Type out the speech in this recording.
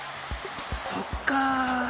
そっか。